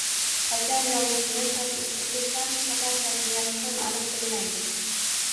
Qachon yonishini "Toshissiqlik" ham, shahar hokimiyati ham aniq bilmaydi